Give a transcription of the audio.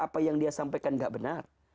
apa yang dia sampaikan gak benar